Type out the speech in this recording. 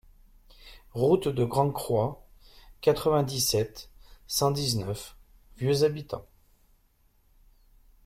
Route de Grand Croix, quatre-vingt-dix-sept, cent dix-neuf Vieux-Habitants